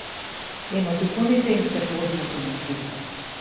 Емотиконите им се познати на сите.